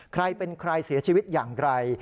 ใครเป็นใครเสียชีวิตอย่างไร